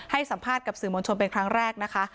ให้สัมภาษณ์กับสื่อมวลชนเป็นครั้งแรกนะคะ